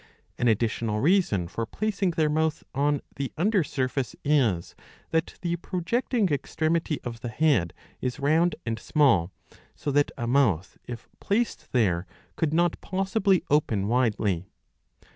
An additional reason for placing their mouth on the. under surface is that the projecting extremity of the head is round and small, so that a mouth, if placed there, could not possibly open widely.